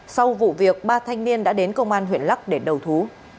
sau vụ việc ba thanh niên đã đến công an huyện lắc để đầu thú